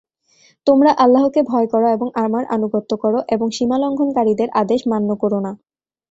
তোমরা আল্লাহকে ভয় কর এবং আমার আনুগত্য কর এবং সীমালংঘনকারীদের আদেশ মান্য করো না।